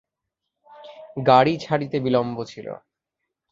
গাড়ি ছাড়িতে বিলম্ব ছিল।